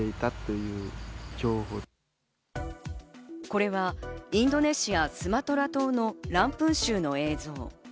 これはインドネシアスマトラ島のランプン州の映像。